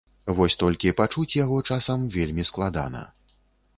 Вось толькі пачуць яго часам вельмі складана.